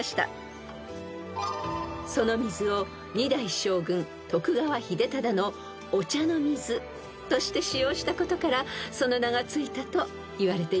［その水を２代将軍徳川秀忠のお茶の水として使用したことからその名が付いたといわれています］